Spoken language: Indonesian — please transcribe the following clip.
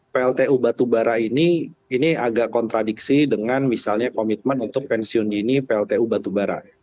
pltu batubara ini ini agak kontradiksi dengan misalnya komitmen untuk pensiun dini pltu batubara